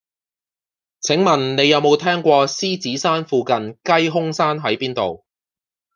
請問你有無聽過獅子山附近雞胸山喺邊度